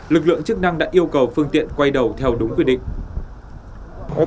lực lượng chức năng đã yêu cầu phương tiện quay đầu theo đúng quy định